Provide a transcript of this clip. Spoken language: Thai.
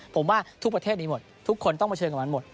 ผมว่าทุกประเทศมีหมดทุกคนต้องเผชิญกับมันหมด